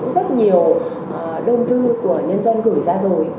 rất nhiều đơn thư của nhân dân gửi ra rồi